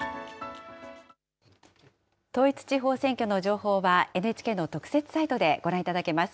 統一地方選挙の情報はＮＨＫの特設サイトでご覧いただけます。